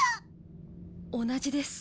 同じです。